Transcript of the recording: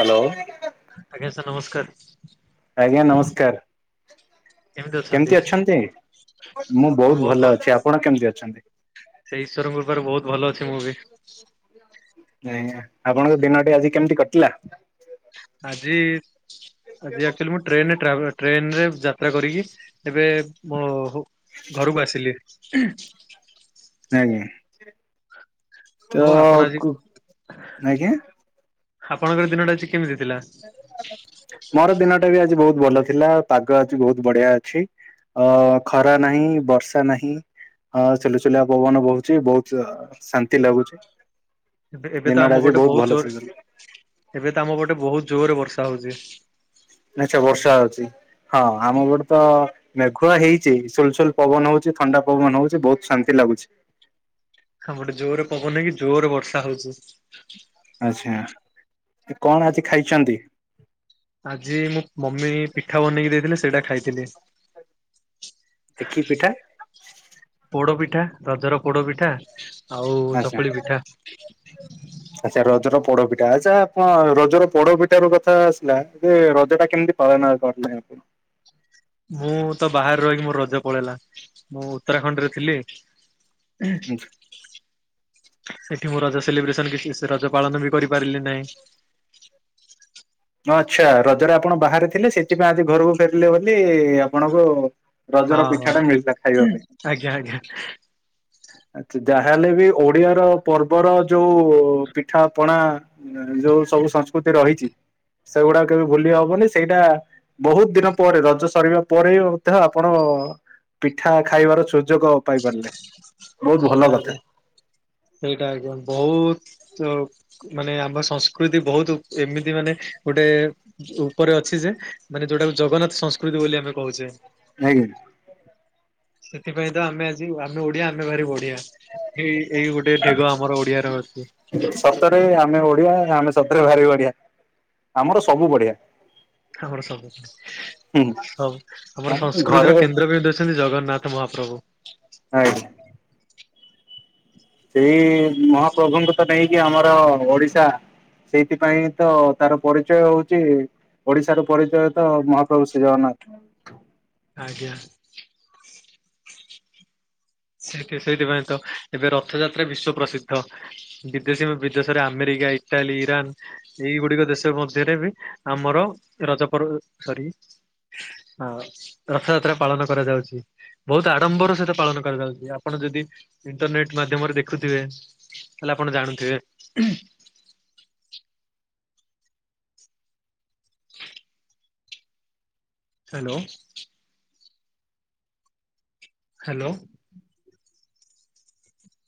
Hello. ଆଜ୍ଞା sir ନମସ୍କାର। ଆଜ୍ଞା ନମସ୍କାର। କେମିତି ଅଛନ୍ତି? ମୁଁ ଭଲ ବହୁତ ଭଲ୍, ଅଛି ଆପଣ କେମିତି ଅଛନ୍ତି? ସେ ଈଶ୍ୱରଙ୍କ କୃପାରୁ ବହୁତ୍ ଭଲ ଅଛି ମୁଁ ବି। ଆପଣଙ୍କ ଦିନଟି ଆଜି କେମିତି କଟିଲା? ଆଜି ଆଜି ଆକଚୁଆଲି ମୁଁ ଟ୍ରେନ ରେ ଟ୍ରାଭେ ଟ୍ରେନରେ ଯାତ୍ରା କରିକି ଏବେ ମୋ ଘରକୁ ଆସିଲି। ଆଜ୍ଞା। ତ ହଉ ଆପଣ ଆଜି ଆଜ୍ଞା? ଆପଣଙ୍କର ଦିନଟା ଆଜି କେମିତି ଥିଲା? ମୋର ଦିନ ଟା ବି ଆଜି ବହୁତ୍ ଭଲ ଥିଲା। ପାଗ ଆଜି ବହୁତ୍ ବଢିଆ ଅଛି। ଅ ଖରା ନାହିଁ ବର୍ଷା ନାହିଁ। ହଁ ସୁଲୁ ସୁଲିଆ ପବନ ବହୁଚି, ବହୁତ ଶାନ୍ତି ଲାଗୁଚି। ଏବେ ଏବେ ତ ଆମପଟେ ବହୁତ୍ ଜୋରେ ଚାଲିଛି। ଏବେ ତ ଆମ ପଟେ ବହୁତ୍ ଜୋରେ ବର୍ଷା ହଉଚି। ନା ସେ ବର୍ଷା ହଉଚି। ହଁ ଆମ ପଟେ ତ ମେଘୁଆ ହେଇଚି। ସୁଲ୍ ସୁଲ୍ ପବନ ହଉଚି ଥଣ୍ଡା ପବନ ହଉଚି ବହୁତ୍ ଶାନ୍ତି ଲାଗୁଚି। ଆମପଟେ ଜୋରେ ପବନ ହେଇକି ଜୋରେ ବର୍ଷା ହଉଚି। ଆଚ୍ଛା। କଣ ଆଜି ଖାଇଛନ୍ତି? ଆଜି ମୁଁ ମମି ପିଠା ବନେଇକି ଦେଇଥିଲେ ସେଇଟା ଖାଇଥିଲି। କି ପିଠା? ପୋଡପିଠା। ରଜର ପୋଡପିଠା ଆଉ ଆଚ୍ଛା ଚକୁଳି ପିଠା। ଆଚ୍ଛା ରଜର ପୋଡପିଠା। ଆଚ୍ଛା ଆପଣ ରଜର ପୋଡପିଠା ରୁ କଥା ଆସିଲା, ଯେ ରଜଟା କେମିତି ପାଳନ କରିଲେ। [unintelligible] ମୁଁ ତ ବାହାରେ ରହିକି ମୋର ରଜ ପଳେଇଲା। ମୁଁ ଉତ୍ତରାଖଣ୍ଡ ରେ ଥିଲି। ହ ସେଠି ମୁଁ ରଜ ସେଲିବ୍ରେସନ କିଛି ରଜ ପାଳନ ବି କରିପାରିଲି ନାହିଁ ଆଚ୍ଛା ରଜରେ ଆପଣ ବାହାରେ ଥିଲେ ସେଥିପାଇଁ ଆଜି ଘରକୁ ଫେରିଲେ ବୋଲି ଆପଣଙ୍କୁ ରଜ ହଁ ର ପିଠା ହଁ ଟା ମିଳିଥିଲା ଖାଇବାକୁ ଆଜ୍ଞା ଆଜ୍ଞା ଆଛା ଯାହାହେଲେ ବି ଓଡିଆ ର ପର୍ବର ଯୋଉ ପିଠା ପଣା ଯୋଉ ସବୁ ସଂସ୍କୃତି ରହିଛି ସେଗୁଡାକ କେବେ ଭୁଲି ହବନି ସେଇଟା ବହୁତ ଦିନ ପରେ ରଜ ସରିବା ପରେ ବି ମଧ୍ୟ ଆପଣ ପିଠା ଖାଇବାର ସୁଯୋଗ ପାଇ ପାରିଲେ ସେଇଟା ଆଜ୍ଞା ସେଇଟା ଆଜ୍ଞା ବହୁତ ମାନେ ଆମ ସଂସ୍କୃତି ବହୁତ ଏମିତି ମାନେ ଗୋଟେ ଉପରେ ଅଛି ଯେ ମାନେ ଯୋଉଟାକୁ ଜଗନ୍ନାଥ ସଂସ୍କୃତି ବୋଲି ଆମେ କହୁଛେ ଆଜ୍ଞା ସେଥିପାଇଁ ତ ଆମେ ଆଜି ଆମେ ଓଡିଆ ଆମେ ଭାରି ବଢିଆ ଏଇ ଏଇ ଗୋଟେ ଢେଗ ଆମର ଓଡିଆରେ ଅଛି। ସତରେ ଆମେ ଓଡିଆ ଆମେ ସତରେ ବାହାରି ଓଡିଆ ଆମର ସବୁ ବଢିଆ ଆମର ସବ ହୁଁ ହବ ଆମର ଘରେ ସଂସ୍କୃତିର କେନ୍ଦ୍ର ବି ଦେଉଛନ୍ତି ଜଗନ୍ନାଥ ମହାପ୍ରଭୁ ଆ ସେଇ ମହାପ୍ରଭୁଙ୍କୁ ତ ନେଇକି ଆମର ଓଡିଶା ସେଇଥିପାଇଁ ତ ତାର ପରିଚୟ ହଉଛି ଓଡିଶାରୁ ପରିଚୟିତ ମହାପ୍ରଭୁ ଶ୍ରୀ ଜଗନ୍ନାଥ ଆଜ୍ଞା ସେଇଠ ସେଇଥିପାଇଁ ତ ଏବେ ରଥଯାତ୍ରା ବିଶ୍ଵ ପ୍ରସିଦ୍ଧ ବିଦେଶୀ ବିଦେଶରେ ଆମେରିକା ଇଟାଲୀ ଇରାନ ଏଇଗୁଡିକ ଦେଶ ମଧ୍ୟରେ ବି ଆମର ରଜ ପର୍ବ ସରି ଆ ରଥଯାତ୍ରା ପାଳନ କରାଯାଉଛି ବହୁତ ଆଡମ୍ବରୁ ସେତ ପାଳନ କରାଯାଉଛି ଆପଣ ଯଦି ଇଣ୍ଟରନେଟ ମାଧ୍ୟମରେ ଦେଖୁଥିବେ ତାହଲେ ଆପଣ ଜାଣୁଥିବେ ହ୍ୟାଲୋ ହ୍ୟାଲୋ